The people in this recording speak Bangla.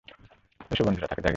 এসো বন্ধুরা, তাকে জাগিয়ে তোলো।